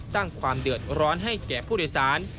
สร้างความเดือดร้อนให้แก่ผู้โดยสาร